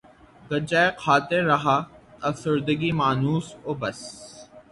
غنچۂ خاطر رہا افسردگی مانوس و بس